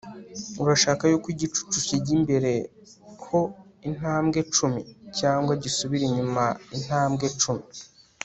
urashaka yuko igicucu kijya imbere ho intambwe cumi, cyangwa gisubira inyuma intambwe cumi